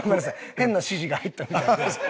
変な指示が入ったみたいで。